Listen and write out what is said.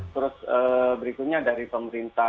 terus berikutnya dari pemerintah